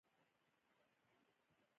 د نجونو تعلیم د سولې او ثبات لامل کیږي.